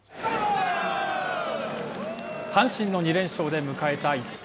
阪神の２連勝で迎えた一戦。